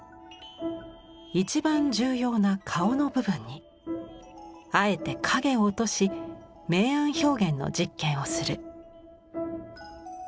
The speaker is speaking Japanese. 一番重要な顔の部分にあえて影を落とし明暗表現の実験をする。